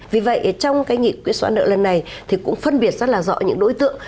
vì vậy trong cái nghị quyết xóa nợ lần này thì cũng phân biệt rất là rõ những đối tượng